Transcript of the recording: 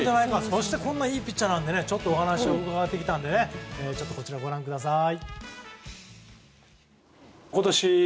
そして、こんないいピッチャーなのでお話を伺ってきたのでこちらご覧ください。